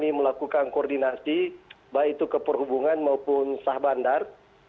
kami melakukan koordinasi baik itu ke perhubungan maupun sah bandar